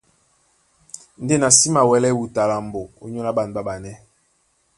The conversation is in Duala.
Ndé na sí mawɛlɛ́ wuta lambo ónyólá ɓân ɓáɓanɛ́.